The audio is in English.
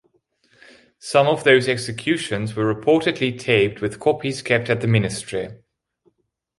Some of those executions were reportedly taped with copies kept at the ministry.